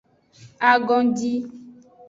Agondi.